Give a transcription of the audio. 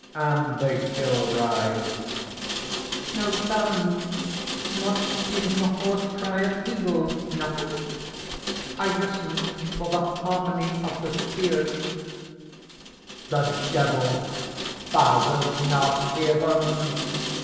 (And they still rise.) "No sound! not even the hoarse cry of eagles! Nothing? I listen for the harmony of the spheres." THE DEVIL. "Thou wilt not hear them!